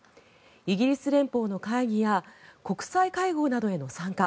イギリス連邦の会議や国際会合などへの参加